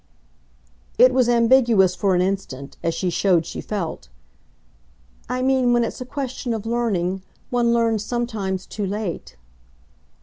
It was ambiguous for an instant, as she showed she felt. "I mean when it's a question of learning, one learns sometimes too late."